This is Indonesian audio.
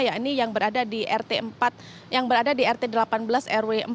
ya ini yang berada di rt delapan belas rw empat